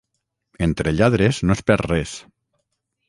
Entre lladres no es perd res.